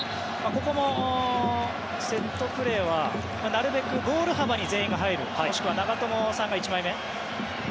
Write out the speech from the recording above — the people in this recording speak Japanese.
ここもセットプレーはなるべくゴール幅に全員が入るもしくは長友さんが１枚目。